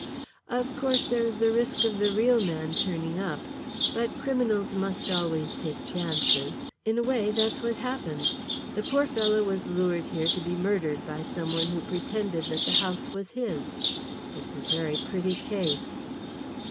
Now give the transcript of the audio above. Of course there is the risk of the real man turning up, but criminals must always take chances. In a way that's what happened. The poor fellow was lured here to be murdered by some one who pretended that the house was his. It's a very pretty case."